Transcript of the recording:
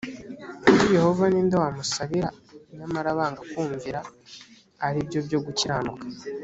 kuri yehova ni nde wamusabira nyamara banga kumvira aribyo byo gukiranuka